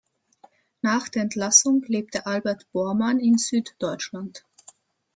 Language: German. Nach der Entlassung lebte Albert Bormann in Süddeutschland.